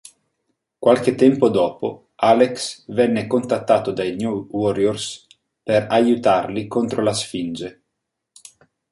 Qualche tempo dopo, Alex venne contattato dai New Warriors per aiutarli contro la Sfinge.